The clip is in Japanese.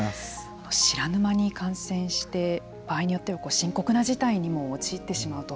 知らぬ間に感染して場合によっては、深刻な事態にも陥ってしまうと。